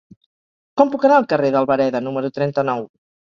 Com puc anar al carrer d'Albareda número trenta-nou?